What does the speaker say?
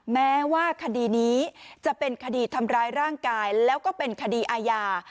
แม้ว่าคดีนี้จะเป็นคดีทำร้ายร่างกายแล้วก็เป็นคดีอาญา